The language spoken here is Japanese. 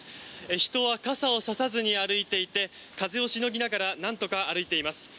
人は傘を差さずに歩いていて風をしのぎながらなんとか歩いています。